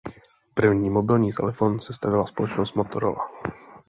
První mobilní telefon sestavila společnost Motorola.